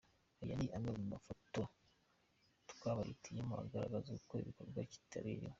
Aya ni amwe mu mafoto twabahitiyemo agaragaza uko igikorwa kitabiriwe:.